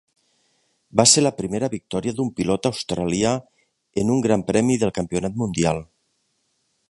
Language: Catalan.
Va ser la primera victòria d'un pilot australià en un Gran Premi del Campionat Mundial.